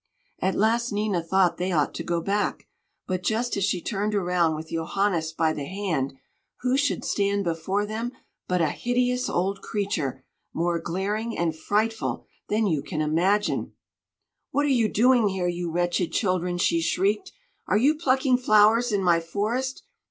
At last Nina thought they ought to go back, but just as she turned around with Johannes by the hand, who should stand before them but a hideous old creature, more glaring and frightful than you can imagine! "What are you doing here, you wretched children?" she shrieked; "are you plucking flowers in my forest?